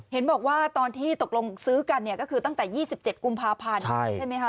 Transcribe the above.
เห็นบอกว่าตอนที่ตกลงซื้อกันเนี่ยก็คือตั้งแต่๒๗กุมภาพันธ์ใช่ไหมคะ